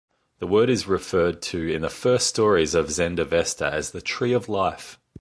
The word is referred to in the first stories of Zend-Avesta as the tree of life.